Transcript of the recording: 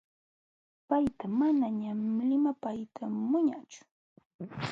Payta manañaq limapayta munaañachu.